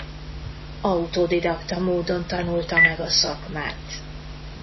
Autodidakta módon tanulta meg a szakmát.